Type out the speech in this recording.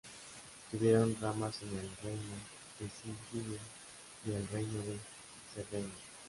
Tuvieron ramas en el Reino de Sicilia y el Reino de Cerdeña.